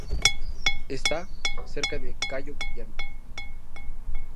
Está cerca de Cayo Guillermo.